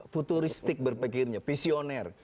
futuristik berpikirnya pisioner